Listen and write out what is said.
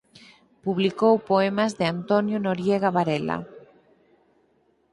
Publicou poemas de Antonio Noriega Varela.